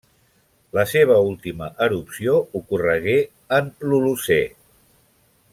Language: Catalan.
La seva última erupció ocorregué en l'Holocè.